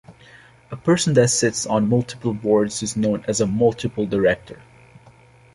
A person that sits on multiple boards is known as a "multiple director".